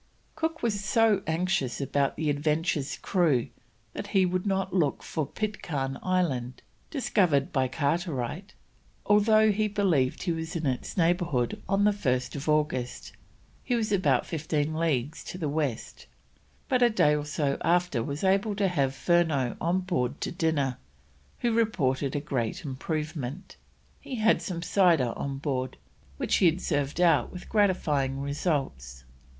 Cook was so anxious about the Adventure's crew that he would not look for Pitcairn Island, discovered by Carteret, although he believed he was in its neighbourhood on 1st August (he was about fifteen leagues to the west), but a day or so after was able to have Furneaux on board to dinner, who reported a great improvement. He had some cider on board, which he had served out with gratifying results.